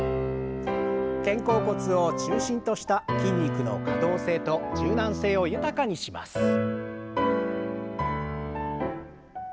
肩甲骨を中心とした筋肉の可動性と柔軟性を豊かにします。